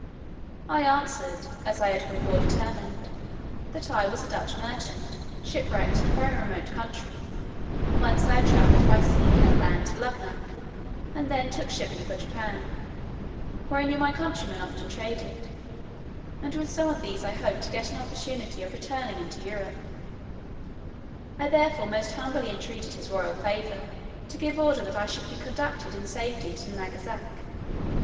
I answered, as I had before determined, "that I was a Dutch merchant, shipwrecked in a very remote country, whence I had travelled by sea and land to Luggnagg, and then took shipping for Japan; where I knew my countrymen often traded, and with some of these I hoped to get an opportunity of returning into Europe: I therefore most humbly entreated his royal favour, to give order that I should be conducted in safety to Nangasac."